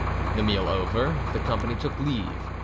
The meal over, the company took leave.